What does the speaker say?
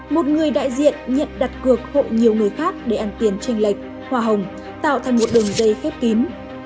một người đại diện nhận đặt cược hội nhiều người khác để ăn tiền tranh lệch hòa hồng tạo thành một đường dây khép kín